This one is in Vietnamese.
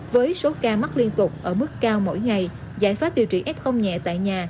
với số ca mắc liên tục ở mức cao mỗi ngày giải pháp điều trị f nhẹ tại nhà